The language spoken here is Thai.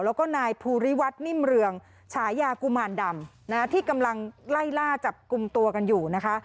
แล้วก็นายภูริวัฒนิ่มเรืองฉายากุมารดำที่กำลังไล่ล่าจับกลุ่มตัวกันอยู่นะคะ